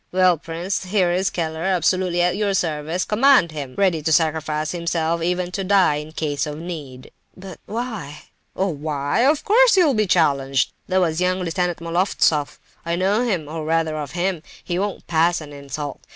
Well, prince, here is Keller, absolutely at your service—command him!—ready to sacrifice himself—even to die in case of need." "But—why?" "Oh, why?—Of course you'll be challenged! That was young Lieutenant Moloftsoff. I know him, or rather of him; he won't pass an insult.